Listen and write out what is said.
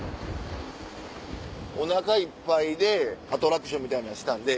お腹いっぱいでアトラクションみたいなのしたんで。